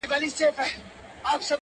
څه دي زده نه کړه د ژوند په مدرسه کي,